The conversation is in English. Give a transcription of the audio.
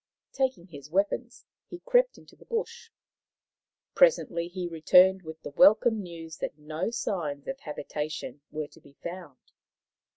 Taking his weapons, he crept into the bush. Presently he returned with the welcome news that no signs of habitation were to be found.